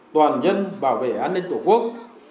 toàn dân bảo vệ an ninh tổ quốc